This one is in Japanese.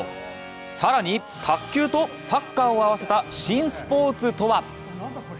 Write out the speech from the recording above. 更に卓球とサッカーを合わせた新スポーツとは。